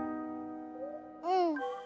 うん。